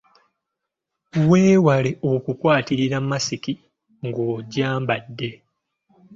Weewale okukwatirira masiki ng’ogyambadde.